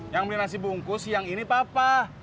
yang beli nasi bungkus yang ini papa